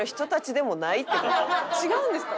違うんですか？